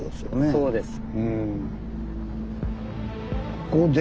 そうです。